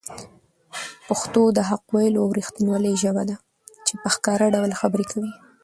پښتو د حق ویلو او رښتینولۍ ژبه ده چي په ښکاره ډول خبرې کوي.